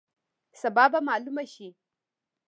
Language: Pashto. سبا به معلومه شي.